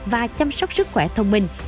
và chăm sóc sức khỏe thông minh